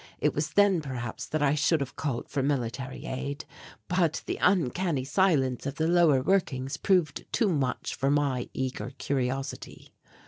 It was then perhaps that I should have called for military aid, but the uncanny silence of the lower workings proved too much for my eager curiosity.